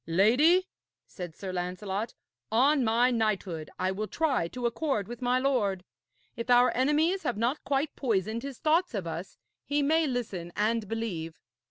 'Lady,' said Sir Lancelot, 'on my knighthood I will try to accord with my lord. If our enemies have not quite poisoned his thoughts of us, he may listen and believe.'